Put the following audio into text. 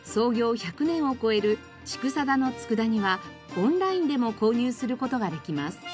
１００年を超える筑定の佃煮はオンラインでも購入する事ができます。